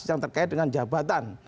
yang terkait dengan jabatan